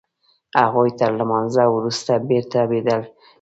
هغوی تر لمانځه وروسته بېرته بيده شول.